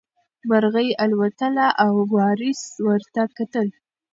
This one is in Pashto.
مرغۍ الوتله او وارث ورته کتل.